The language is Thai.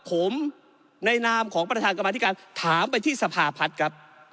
ผมในนามของประธานกรรมธิการถามไปที่สภาพัฒน์ครับ